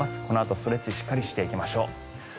このあとストレッチをしっかりしていきましょう。